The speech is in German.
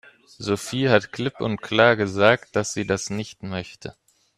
Sophie hat klipp und klar gesagt, dass sie das nicht möchte.